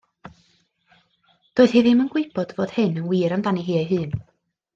Doedd hi ddim yn gwybod fod hyn yn wir amdani hi ei hun.